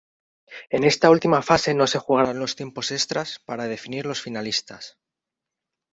En esta última fase no se jugarán los tiempos extras para definir los finalistas.